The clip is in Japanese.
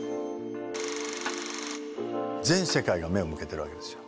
全世界が目を向けてるわけですよ。